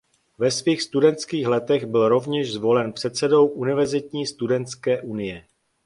Ve svých studentských letech byl rovněž zvolen předsedou univerzitní studentské unie.